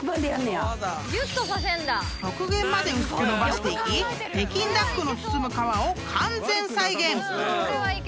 ［極限まで薄く延ばしていき北京ダックの包む皮を］えうれしい！